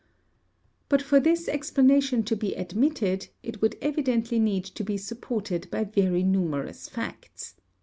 ] But for this explanation to be admitted, it would evidently need to be supported by very numerous facts.